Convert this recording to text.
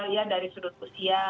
ya dari sudut usia